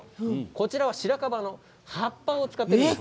こちらは、シラカバの葉っぱを使っています。